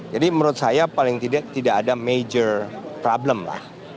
jadi menurut saya paling tidak tidak ada major problem lah